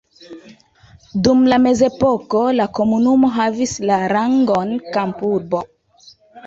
Dum la mezepoko la komunumo havis la rangon kampurbo.